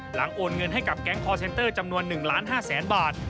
หลังโอนเงินให้กับแก๊งคอร์เซนเตอร์จำนวน๑๕๐๐๐๐๐บาท